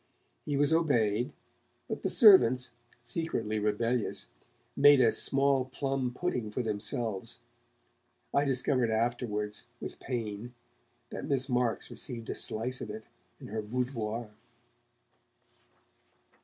He was obeyed, but the servants, secretly rebellious, made a small plum pudding for themselves. (I discovered afterwards, with pain, that Miss Marks received a slice of it in her boudoir.)